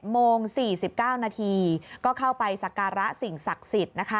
โมง๔๙นาทีก็เข้าไปสักการะสิ่งศักดิ์สิทธิ์นะคะ